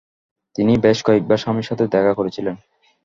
তিনি বেশ কয়েকবার স্বামীর সাথে দেখা করেছিলেন।